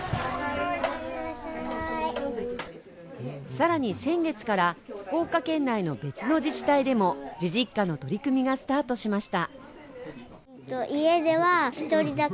更に、先月から福岡県内の別の自治体でもじじっかの取り組みがスタートしました。